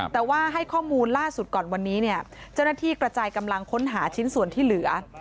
แต่ว่าให้ข้อมูลล่าสุดก่อนวันนี้เนี่ยเจ้าหน้าที่กระจายกำลังค้นหาชิ้นส่วนที่เหลือ